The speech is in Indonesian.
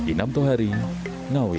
inam tohari ngawi